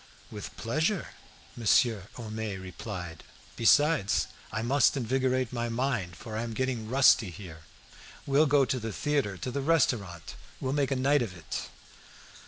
"With pleasure!" Monsieur Homais replied; "besides, I must invigorate my mind, for I am getting rusty here. We'll go to the theatre, to the restaurant; we'll make a night of it."